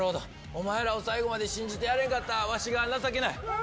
お前らを最後まで信じてやれんかったわしが情けない。